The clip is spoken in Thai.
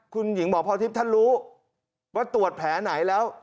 คุณหญิงหมอพรทิพย์ท่านรู้ว่าตรวจแผลไหนแล้ว